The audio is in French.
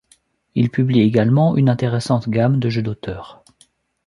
Il publie également une intéressante gamme de jeux d'auteurs.